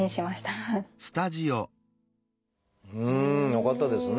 よかったですね。